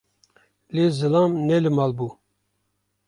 Lê zilam ne li mal bû